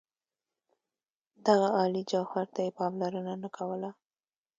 دغه عالي جوهر ته یې پاملرنه نه کوله.